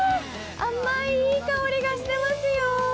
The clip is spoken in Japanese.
甘いいい香りがしてますよ。